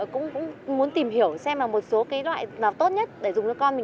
cũng muốn tìm hiểu xem là một số loại nào tốt nhất để dùng cho con